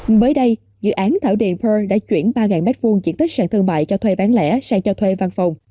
mới đây dự án thảo điện pearl đã chuyển ba m hai diện tích sàn thương mại cho thuê bán lẻ sang cho thuê văn phòng